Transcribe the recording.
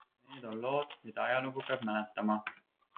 Need on lood, mida ajalugu peab mäletama.